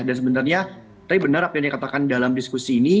dan sebenarnya tadi benar apa yang dikatakan dalam diskusi ini